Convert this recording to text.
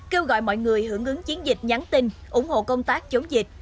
kêu gọi mọi người hưởng ứng chiến dịch nhắn tin ủng hộ công tác chống dịch